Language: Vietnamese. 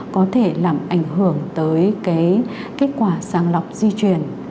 có thể làm ảnh hưởng tới kết quả sàng lọc di truyền